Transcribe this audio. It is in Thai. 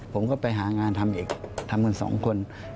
ผมก็ไปหางานทำอีกทำกันสองคน